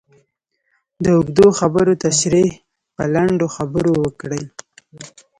د اوږدو خبرو تشرېح په لنډو خبرو وکړئ.